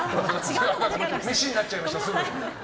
飯になっちゃいました。